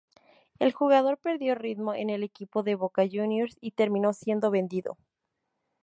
El jugador perdió ritmo en el equipo de Boca Juniors y terminó siendo vendido.